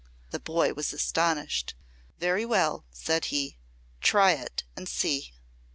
The boy was astonished. "Very well," said he. "Try it and see."